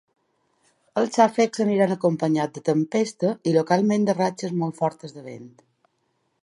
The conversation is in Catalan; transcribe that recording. Els xàfecs aniran acompanyats de tempesta i localment de ratxes molt fortes de vent.